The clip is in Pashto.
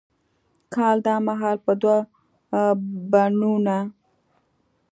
کال دا مهال به دوه بڼوڼه،